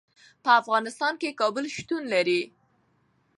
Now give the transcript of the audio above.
په افغانستان کې کابل شتون لري.